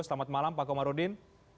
selamat malam pak komarudin